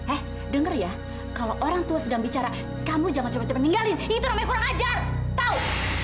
eh denger ya kalau orang tua sedang bicara kamu jangan coba coba ninggalin itu namanya kurang ajar tau